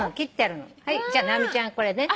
じゃあ直美ちゃんこれね。